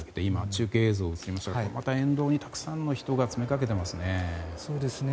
中継映像が映っていますが沿道にたくさんの人が詰めかけていますね。